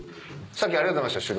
さっきありがとうございました